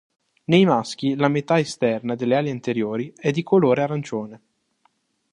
Nei maschi, la metà esterna delle ali anteriori è di colore arancione.